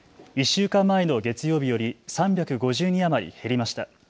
１週間前の月曜日より３５０人余り減りました。